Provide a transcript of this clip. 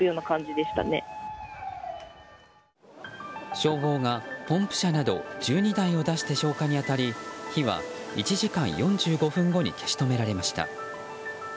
消防がポンプ車など１２台を出して消火に当たり火はおよそ１時間４５分後に消し止められました。